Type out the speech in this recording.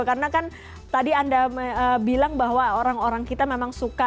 karena kan tadi anda bilang bahwa orang orang kita memang suka